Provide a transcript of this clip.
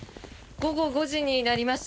午後５時になりました。